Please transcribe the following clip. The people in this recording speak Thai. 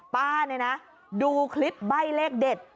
ป้าดูคลิปใบเลขเด็ด